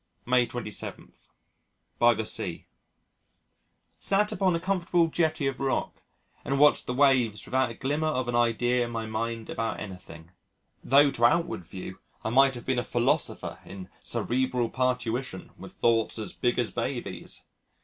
May 27. By the Sea Sat upon a comfortable jetty of rock and watched the waves without a glimmer of an idea in my mind about anything though to outward view I might have been a philosopher in cerebral parturition with thoughts as big as babies.